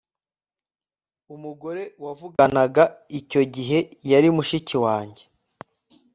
Umugore wavuganaga icyo gihe yari mushiki wanjye